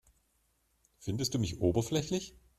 Findest du mich oberflächlich?